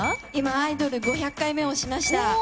「アイドル」５００回目押しました！